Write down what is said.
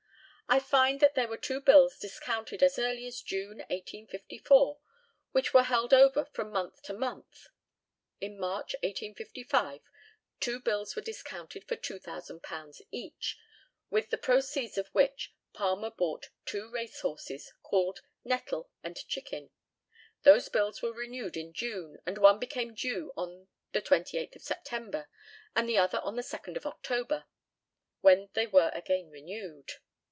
I find that there were two bills discounted as early as June, 1854, which were held over from month to month. In March, 1855, two bills were discounted for £2,000 each, with the proceeds of which Palmer bought two race horses, called Nettle and Chicken. Those bills were renewed in June, and one became due on the 28th of September, and the other on the 2nd of October, when they were again renewed.